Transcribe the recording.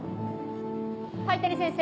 灰谷先生！